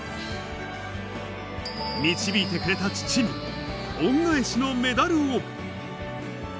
導いてくれた父に、恩返しのメダルを。